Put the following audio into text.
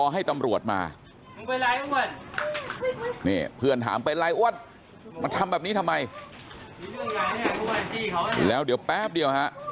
ให้ประหลาดสีเขาแล้วเดี๋ยวแป๊บเดี่ยวฮะ